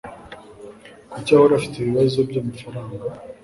Kuki ahora afite ibibazo byamafaranga?